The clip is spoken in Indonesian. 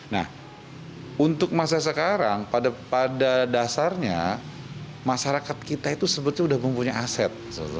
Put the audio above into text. nah untuk masa sekarang pada dasarnya masyarakat kita itu sebetulnya sudah mempunyai aset